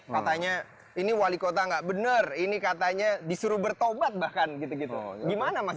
katanya ini wali kota nggak benar ini katanya disuruh bertobat bahkan gitu gitu gimana mas